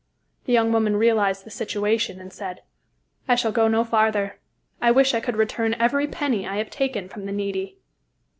The young woman realized the situation and said: "I shall go no farther. I wish I could return every penny I have taken from the needy."